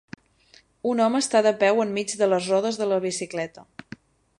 Un home està de peu en mig de les rodes de la bicicleta.